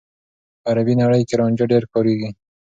په عربي نړۍ کې رانجه ډېر کارېږي.